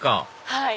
はい